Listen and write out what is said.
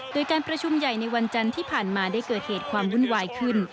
โดยการประชุมใหญ่ในวันจันทร์ที่ผ่านมาได้เกิดเหตุความวุ่นวายขึ้น